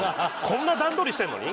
こんな段取りしてるのに？